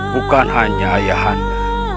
bukan hanya ayah anda